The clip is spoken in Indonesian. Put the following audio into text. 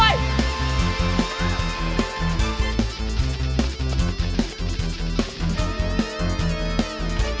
peh itu dia orangnya peh